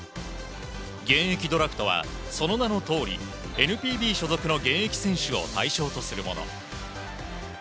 現役ドラフトはその名のとおりＮＰＢ所属の現役選手を対象とするもの。